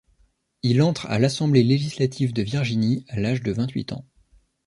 Il entre à l'Assemblée législative de Virginie à l'âge de vingt-huit ans.